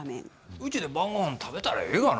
うちで晩ごはん食べたらええがな。